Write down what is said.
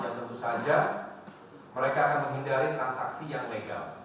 dan tentu saja mereka akan menghindari transaksi yang legal